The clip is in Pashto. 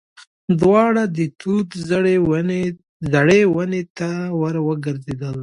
دواړه د توت زړې ونې ته ور وګرځېدل.